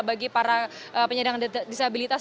bagi para penyandang disabilitas